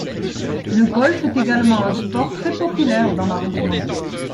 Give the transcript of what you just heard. Le golf est également un sport très populaire dans la région.